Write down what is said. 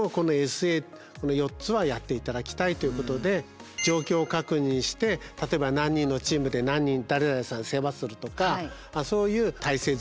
この４つはやって頂きたいということで状況確認して例えば何人のチームで何人誰々さん世話するとかそういう体制づくりをやる。